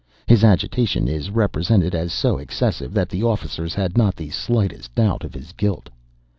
His agitation is represented as so excessive that the officers had not the slightest doubt of his guilt.